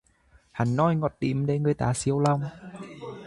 Hắn nói ngọt lịm để người ta xiêu lòng